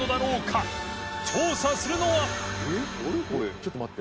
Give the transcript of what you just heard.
ちょっと待って。